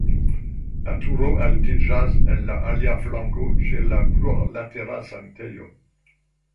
La turo altiĝas en la alia flanko ĉe la plurlatera sanktejo.